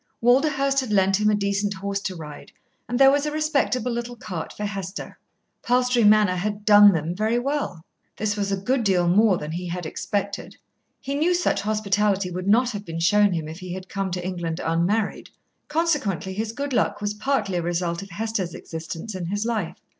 Walderhurst had lent him a decent horse to ride, and there was a respectable little cart for Hester. Palstrey Manor had "done them" very well. This was a good deal more than he had expected. He knew such hospitality would not have been shown him if he had come to England unmarried. Consequently his good luck was partly a result of Hester's existence in his life.